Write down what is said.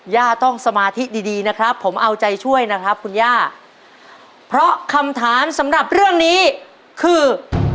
ย่าต้องสมาธิดีดีนะครับผมเอาใจช่วยนะครับคุณย่าเพราะคำถามสำหรับเรื่องนี้คือ